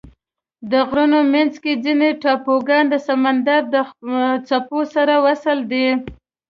د غرونو منځ کې ځینې ټاپوګان د سمندر د څپو سره وصل دي.